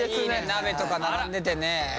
鍋とか並んでてね。